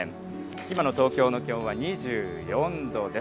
今の東京の気温は２４度です。